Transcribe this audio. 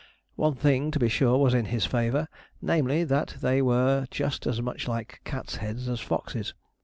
One thing, to be sure, was in his favour namely, that they were just as much like cats' heads as foxes'.